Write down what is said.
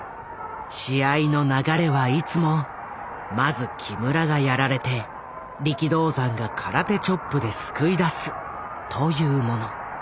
試合の流れはいつもまず木村がやられて力道山が空手チョップで救い出すというもの。